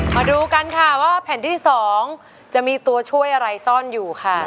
มาดูกันค่ะว่าแผ่นที่๒จะมีตัวช่วยอะไรซ่อนอยู่ค่ะ